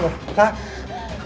boleh ngerti wrong